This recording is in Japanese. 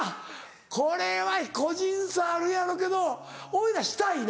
これは個人差あるやろうけど俺らしたいな。